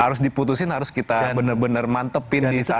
harus diputusin harus kita bener bener mantepin di sana